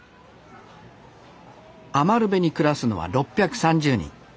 余部に暮らすのは６３０人。